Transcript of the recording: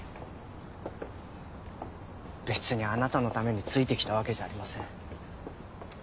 別にあなたのためについてきたわけじゃありません。